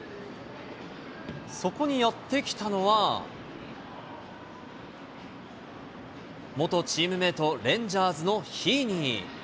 そこにやって来たのは、元チームメート、レンジャーズのヒーニー。